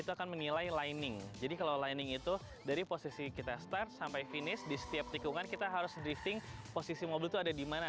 itu akan menilai lining jadi kalau lining itu dari posisi kita start sampai finish di setiap tikungan kita harus drifting posisi mobil itu ada di mana